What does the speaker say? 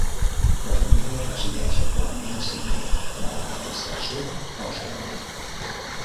La família resideix actualment a Sidney, Nova Gal·les del Sud, Austràlia.